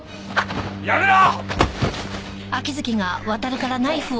やめろ！